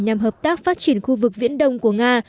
nhằm hợp tác phát triển khu vực viễn đông của nga